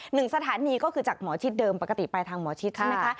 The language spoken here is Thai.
หนึ่งสถานีก็คือจากหมอชิดเดิมปกติไปทางหมอชิดใช่ไหมคะ